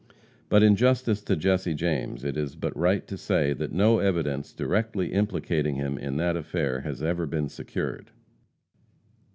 But in justice to Jesse James, it is but right to say that no evidence directly implicating him in that affair has ever been secured.